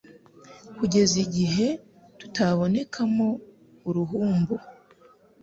kugeza igihe tutabonekamo uruhumbu